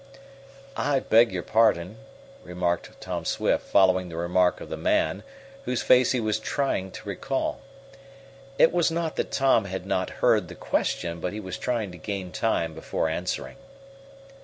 "I beg your pardon," remarked Tom Swift, following the remark of the man, whose face he was trying to recall. It was not that Tom had not heard the question, but he was trying to gain time before answering.